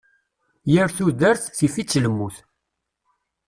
Yir tudert, tif-itt lmut.